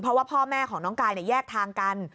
เพราะว่าพ่อแม่ของน้องกายแยกทางกัน